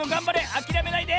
あきらめないで！